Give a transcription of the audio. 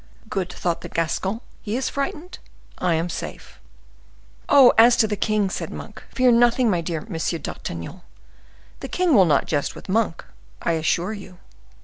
"Good," thought the Gascon, "he is frightened: I am safe." "Oh! as to the king," said Monk, "fear nothing, my dear Monsieur d'Artagnan; the king will not jest with Monk, I assure you!"